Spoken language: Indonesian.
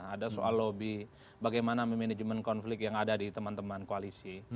ada soal lobby bagaimana memanajemen konflik yang ada di teman teman koalisi